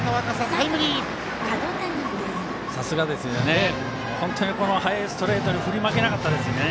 さすがですよね。